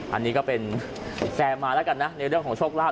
อันนี้ก็เป็นแซมมาแล้วกันนะในเรื่องของโชคลาภ